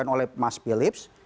yang oleh mas philips